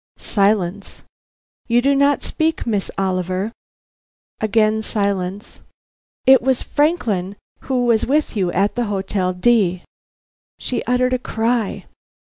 Silence. "You do not speak, Miss Oliver." Again silence. "It was Franklin who was with you at the Hotel D ?" She uttered a cry.